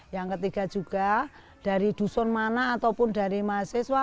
yang ketiga juga dari dusun mana ataupun dari mahasiswa